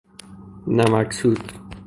نمک سود